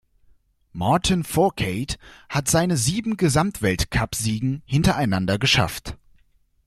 Martin Fourcade hat seine sieben Gesamtweltcup-Siegen hintereinander geschafft.